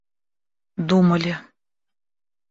думали